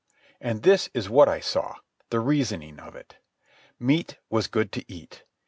And this is what I saw, the reasoning of it: Meat was good to eat.